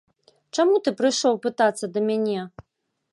Чаму ты прыйшоў пытацца да мяне?